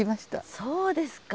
そうですか。